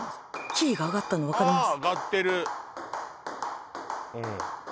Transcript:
キーが上がったの分かります？